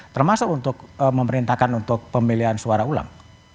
termasuk untuk memerintahkan untuk pemilihan suara ulang